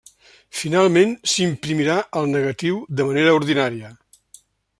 Finalment, s'imprimirà el negatiu de manera ordinària.